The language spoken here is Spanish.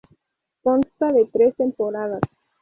Consta de tres temporadas.